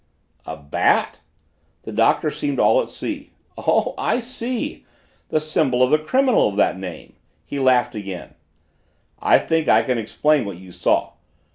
"A bat!" The Doctor seemed at sea. "Ah, I see the symbol of the criminal of that name." He laughed again. "I think I can explain what you saw.